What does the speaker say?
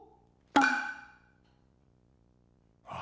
あ。